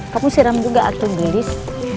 kamu syiram juga atau gelis